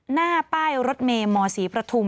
หน้าป้ายรถเมย์มศรีประทุม